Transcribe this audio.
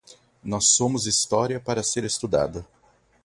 Nós somos história para ser estudada